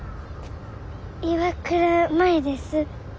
岩倉舞です。